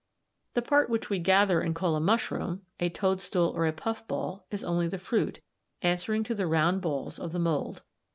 ] "The part which we gather and call a mushroom, a toadstool, or a puffball is only the fruit, answering to the round balls of the mould.